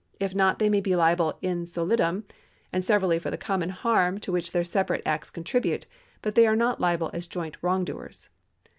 If not, they may be liable in solifhim and severally for the common harm to whicli their separate acts contribute ; but they are not liable as joint wrongdoers.